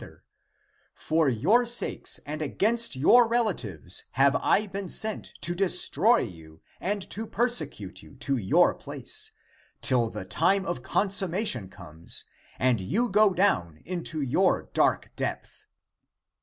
For for your sakes and against your relatives have I been sent to destroy you and to persecute you to your place, till the time of consummation comes and you go down into your dark depth."